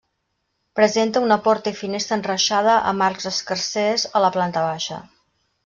Presenta una porta i finestra enreixada amb arcs escarsers a la planta baixa.